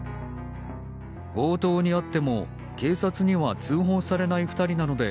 強盗に遭っても警察には通報されない２人なので